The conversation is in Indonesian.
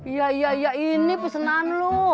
iya iya ini pesanan lo